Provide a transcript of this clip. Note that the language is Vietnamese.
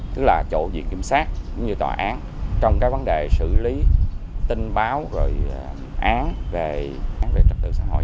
tức là chỗ diện kiểm soát cũng như tòa án trong vấn đề xử lý tin báo án về trật tự xã hội